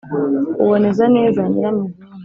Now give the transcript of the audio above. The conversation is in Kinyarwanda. uboneza neza nyiramivumbi